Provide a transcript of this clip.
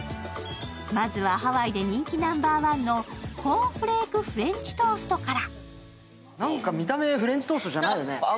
まずはハワイで人気ナンバーワンのコーンフレークフレンチトーストから。